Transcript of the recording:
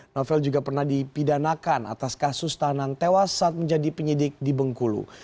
novel juga pernah dipidanakan atas kasus tahanan tewas saat menjadi penyidik di bengkulu